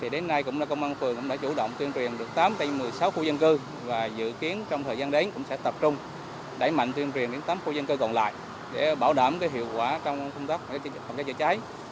đến nay cũng công an phường cũng đã chủ động tuyên truyền được tám trên một mươi sáu khu dân cư và dự kiến trong thời gian đến cũng sẽ tập trung đẩy mạnh tuyên truyền đến tám khu dân cư còn lại để bảo đảm hiệu quả trong công tác phòng cháy chữa cháy